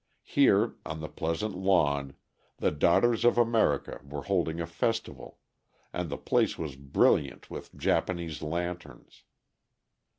Here, on the pleasant lawn, the Daughters of America were holding a festival, and the place was brilliant with Japanese lanterns.